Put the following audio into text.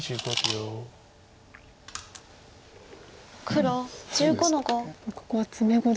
黒１５の五。